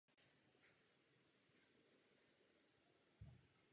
Ve středu se nachází trojúhelníkový tympanon s plastickým znakem města.